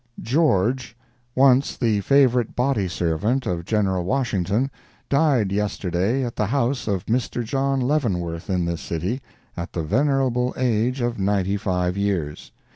"George, once the favorite body servant of General Washington, died yesterday at the house of Mr. John Leavenworth in this city, at the venerable age of 95 years.